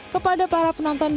kepada para penonton dan penonton